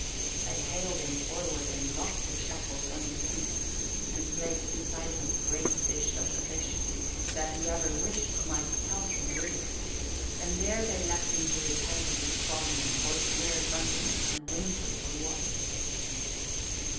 They haled him forward and locked the shackles on his feet and placed beside him a great dish of the fish, that whoever wished might pelt him with it; and there they left him to repent of his folly and forswear drunkenness and whimper for water.